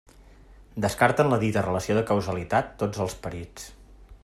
Descarten la dita relació de causalitat tots els perits.